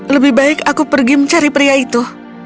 lebih baik aku pergi mencari pria itu